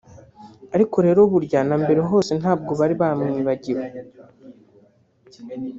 ariko rero burya na mbere hose ntago bari baramwibagiwe